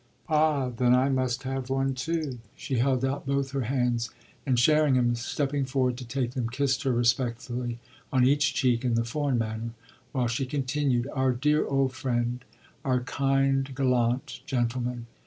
Ah then I must have one too!" She held out both her hands, and Sherringham, stepping forward to take them, kissed her respectfully on each cheek, in the foreign manner, while she continued: "Our dear old friend our kind, gallant gentleman!"